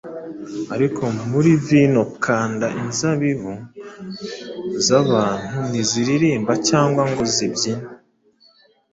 Ariko muri vino-kanda inzabibu zabantu ntiziririmba cyangwa ngo zibyine: